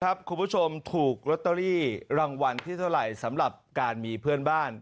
คุณผู้ชมถูกลอตเตอรี่รางวัลที่เท่าไหร่สำหรับการมีเพื่อนบ้าน